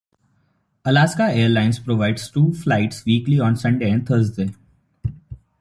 Alaska Airlines provides two flights weekly on Sunday and Thursday.